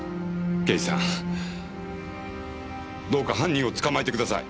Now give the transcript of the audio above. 刑事さんどうか犯人を捕まえてください。